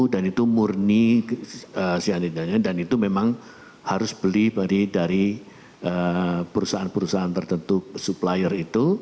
itu murni cyanidanya dan itu memang harus beli dari perusahaan perusahaan tertentu supplier itu